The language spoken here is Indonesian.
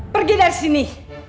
pergi dari sini